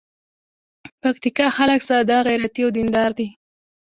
پکتیکا خلک ساده، غیرتي او دین دار دي.